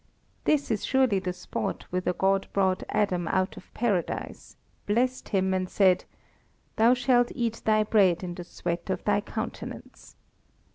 This is surely the spot whither God brought Adam out of Paradise, blessed him, and said: "Thou shalt eat thy bread in the sweat of thy countenance!"